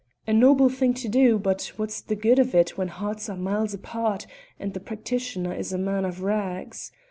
A noble thing to do, but what's the good of it when hearts are miles apart and the practitioner is a man of rags?